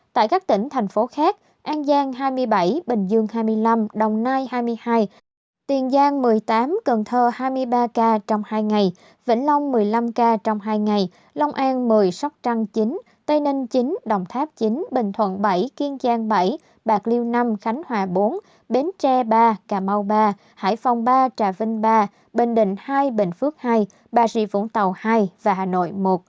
tại các tỉnh thành phố khác an giang hai mươi bảy bình dương hai mươi năm đồng nai hai mươi hai tiền giang một mươi tám cần thơ hai mươi ba ca trong hai ngày vĩnh long một mươi năm ca trong hai ngày lòng an một mươi sóc trăng chín tây ninh chín đồng tháp chín bình thuận bảy kiên giang bảy bạc liêu năm khánh hòa bốn bến tre ba cà mau ba hải phòng ba trà vinh ba bình định hai bình phước hai bà rị vũng tàu hai và hà nội một